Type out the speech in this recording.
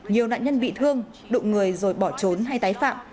nhiều nạn nhân bị thương đụng người rồi bỏ trốn hay tái phạm